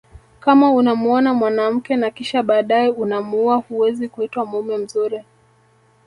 Kama unamuoa mwanamke na kisha baadae unamuua huwezi kuitwa mume mzuri